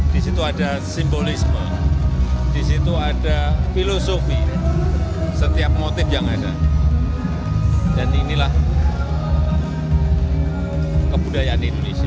di situ ada simbolisme di situ ada filosofi setiap motif yang ada dan inilah kebudayaan indonesia